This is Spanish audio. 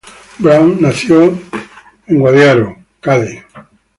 Brown nació en Malden, Massachusetts.